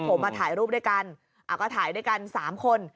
ผมมาถ่ายรูปด้วยกันก็ถ่ายด้วยกัน๓คน